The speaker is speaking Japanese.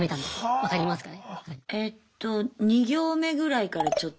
分かりますかね？